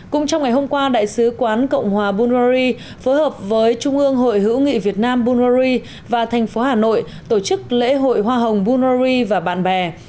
cũng trong ngày hôm qua đại sứ quán cộng hòa bungary phối hợp với trung ương hội hữu nghị việt nam bullori và thành phố hà nội tổ chức lễ hội hoa hồng bullori và bạn bè